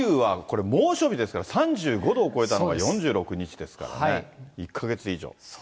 桐生はこれ、猛暑日ですから、３５度を超えたのが４６日ですからね、１か月以上。